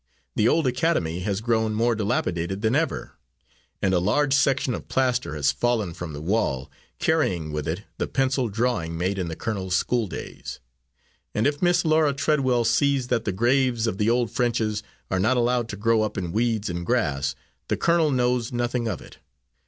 The old academy has grown more dilapidated than ever, and a large section of plaster has fallen from the wall, carrying with it the pencil drawing made in the colonel's schooldays; and if Miss Laura Treadwell sees that the graves of the old Frenches are not allowed to grow up in weeds and grass, the colonel knows nothing of it.